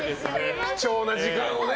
貴重な時間をね。